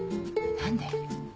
何で？